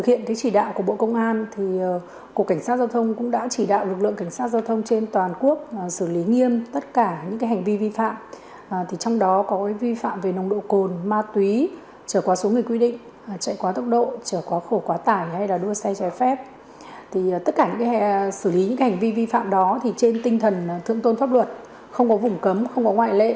hiện cục cảnh sát giao thông đã có những chỉ đạo cụ thể như thế nào đối với lực lượng cảnh sát giao thông toàn quốc